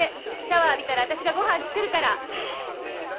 シャワー浴びたら私がごはん作るから。